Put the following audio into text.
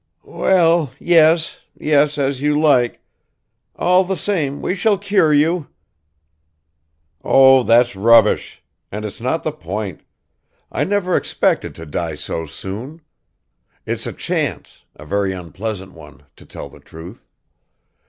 "Well, yes, yes, as you like ... all the same we shall cure you!" "Oh, that's rubbish. And it's not the point. I never expected to die so soon; it's a chance, a very unpleasant one, to tell the truth.